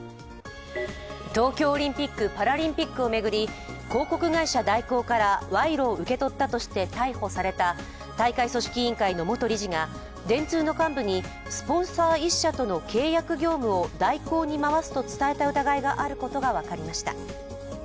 東京オリンピック・パラリンピックを巡り、広告会社大広から賄賂を受け取ったとして逮捕された大会組織委員会の元理事が電通の幹部にスポンサー１社との契約業務を大広に回すと伝えた疑いがあることが分かりました。